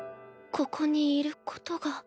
ここにいることが。